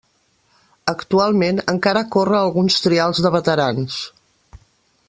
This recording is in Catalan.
Actualment, encara corre alguns trials de veterans.